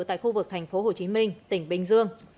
tại khu vực tp hcm tỉnh bình dương